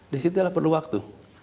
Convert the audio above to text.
di situ adalah perlu waktu